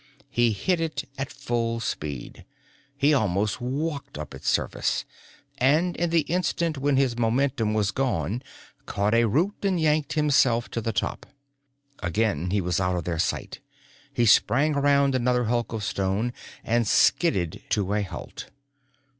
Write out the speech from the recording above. He hit it at full speed. He almost walked up its face and in the instant when his momentum was gone caught a root and yanked himself to the top. Again he was out of their sight. He sprang around another hulk of stone and skidded to a halt.